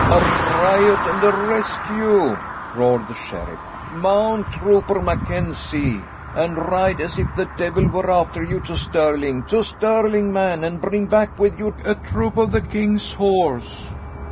"A riot and a rescue!" roared the sheriff. "Mount, Trooper MacKenzie, and ride as if the devil were after you to Stirling; to Stirling, man, and bring back with you a troop of the king's horse."